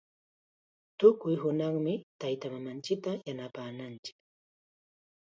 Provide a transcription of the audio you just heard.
Tukuy hunaqmi taytamamanchikta yanapananchik.